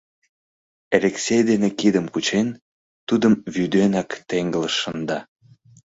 Элексей дене кидым кучен, тудым, вӱденак, теҥгылыш шында.